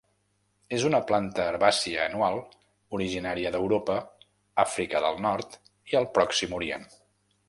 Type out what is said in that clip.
És una planta herbàcia anual originària d'Europa, Àfrica del Nord i el Pròxim Orient.